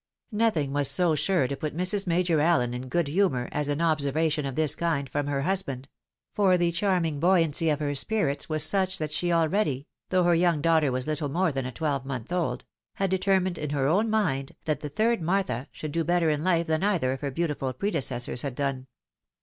Notliing was so sure to put Mrs. Major Allen in good humour, as an observation of this kind from her husband; for the charming buoyancy of her spirits was such that she already — though her young daughter was Httle more than a twelvemonth old— had determined in her own mind, that the third Martha should do better in life than either of her beautiful predecessors had done.